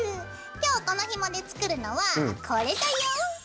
今日このひもで作るのはこれだよ！